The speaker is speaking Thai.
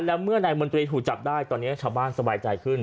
แล้วเมื่อนายมนตรีถูกจับได้ตอนนี้ชาวบ้านสบายใจขึ้น